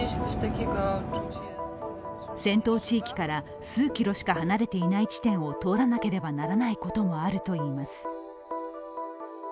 戦闘地域から数キロしか離れていない地点を通らなければならないこともあるといいます。